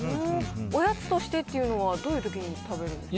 おやつとしてっていうのは、どういうときに食べるんですか。